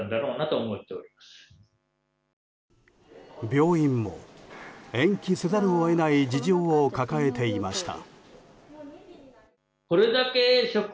病院も延期せざるを得ない事情を抱えていました。